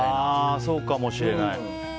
ああ、そうかもしれない。